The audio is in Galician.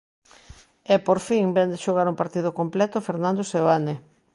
E, por fin, vén de xogar un partido completo Fernando Seoane.